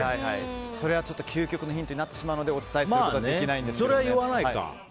それは究極のヒントになってしまうのでお伝えすることはできないんですが。